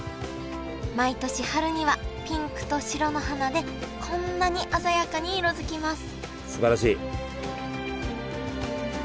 毎年春にはピンクと白の花でこんなに鮮やかに色づきますすばらしい！